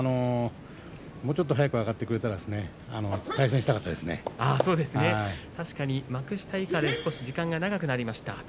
もうちょっと早く上がってくれたら幕下で時間が長くなりました。